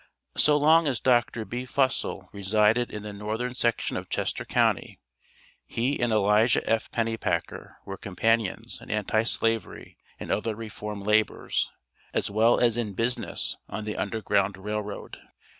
So long as Dr. B. Fussell resided in the northern section of Chester county, he and Elijah F. Pennypacker, were companions in Anti slavery and other reform labors, as well as in business on the Underground Rail Road.